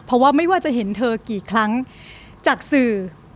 เพราะว่าไม่ว่าจะเห็นเธอกี่ครั้งจากสื่อ